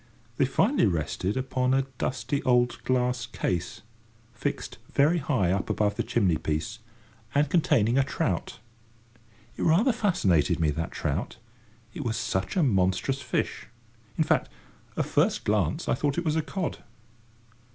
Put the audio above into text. They finally rested upon a dusty old glass case, fixed very high up above the chimney piece, and containing a trout. It rather fascinated me, that trout; it was such a monstrous fish. In fact, at first glance, I thought it was a cod.